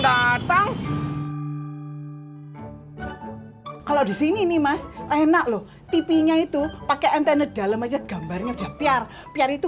datang kalau disini mas enak loh tipinya itu pakai antena dalam aja gambarnya udah pr pr itu